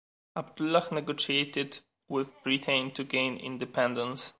Abdullah negotiated with Britain to gain independence.